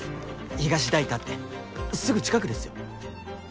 東代田ってすぐ近くですよ？